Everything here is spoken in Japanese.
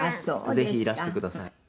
「ぜひいらしてください」